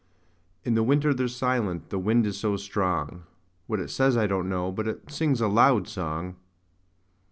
In the winter they're silent the wind is so strong; What it says, I don't know, but it sings a loud song.